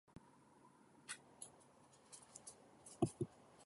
La Mesa d'Edat tindrà dimecres la darrera decisió sobre la delegació.